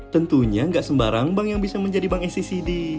tentunya nggak sembarang bank yang bisa menjadi bank sccd